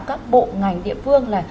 các bộ ngành địa phương là